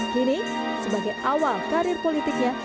kini sebagai awal karir politiknya